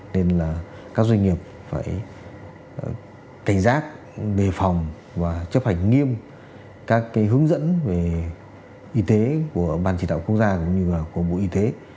nên là các doanh nghiệp phải cảnh giác đề phòng và chấp hành nghiêm các hướng dẫn về y tế của ban chỉ đạo quốc gia cũng như của bộ y tế